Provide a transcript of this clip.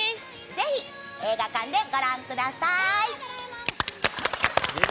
ぜひ、映画館でご覧ください。